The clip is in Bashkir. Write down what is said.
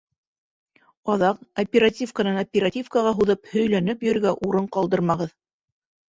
Аҙаҡ оперативканан оперативкаға һуҙып һөйләнеп йөрөргә урын ҡалдырмағыҙ.